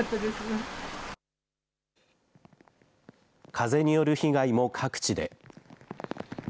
風による被害も各地で。